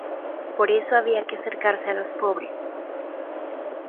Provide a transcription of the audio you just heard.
Por eso había que acercarse a los pobres".